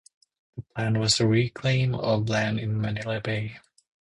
The plan was to reclaim of land in Manila Bay.